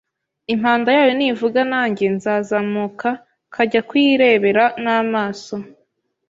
impanda yayo nivuga nanjye nzazamuka kajya kuyirebera n’amaso